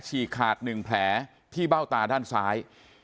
ฉีกขาด๑แผลที่เบ้าตาด้านซ้าย